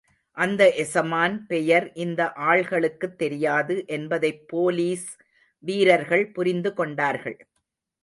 அந்த எசமான் பெயர் இந்த ஆள்களுக்குத் தெரியாது என்பதைப் போலீஸ் வீரர்கள் புரிந்துகொண்டார்கள்.